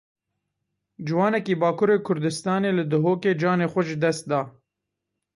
Ciwanekî Bakurê Kurdistanê li Duhokê canê xwe ji dest da.